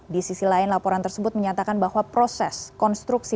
di sisi lain laporan tersebut menyatakan bahwa proses konstruksi